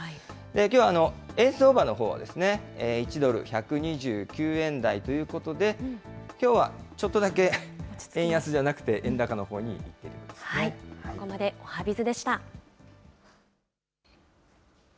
きょうは、円相場のほうは１ドル１２９円台ということで、きょうはちょっとだけ円安じゃなくて、ここまで、おはＢｉｚでした。